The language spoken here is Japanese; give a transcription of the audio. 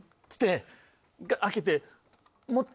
開けて。